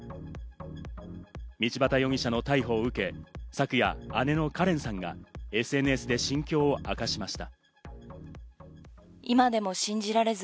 道端容疑者の逮捕を受け、昨夜、姉のカレンさんがＳＮＳで心境を明かしました。